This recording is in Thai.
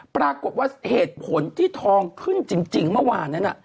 ปรากฏว่าเหตุผลที่ทองขึ้นจริงเมื่อวานนั้น